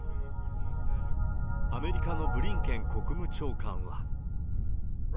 アメリカのブリンケン国務長官は。